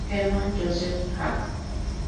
Hermann Josef Hack.